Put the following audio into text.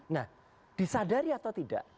nah disadari atau tidak